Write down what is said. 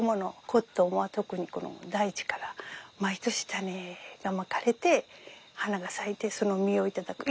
コットンは特に大地から毎年種がまかれて花が咲いてその実を頂く。